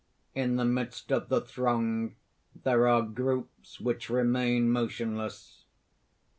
_ _In the midst of the throng there are groups which remain motionless.